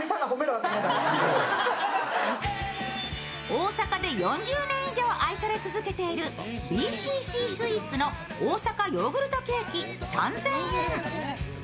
大阪で４０年以上愛され続けているＢＣＣスイーツの大阪ヨーグルトケーキ、３０００円。